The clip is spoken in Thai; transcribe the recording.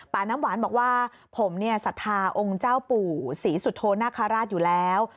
ป่าน้ำหวานบอกว่าผมสัทธาองค์เจ้าปู่ศรีสุทธนคาราชอยู่แล้ว